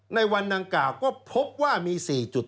ในวันดังกล่าวก็พบว่ามี๔จุด